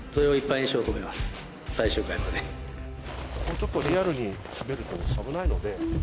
ちょっとリアルに滑ると危ないので。